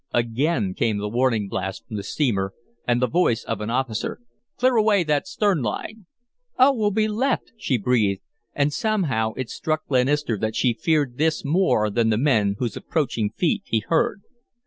Again came the warning blast from the steamer, and the voice of an officer: "Clear away that stern line!" "Oh, we'll be left!" she breathed, and somehow it struck Glenister that she feared this more than the men whose approaching feet he heard.